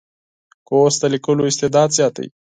کورس د لیکلو استعداد زیاتوي.